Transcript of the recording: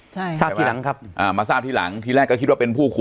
ใช่ทราบทีหลังครับอ่ามาทราบทีหลังทีแรกก็คิดว่าเป็นผู้คุม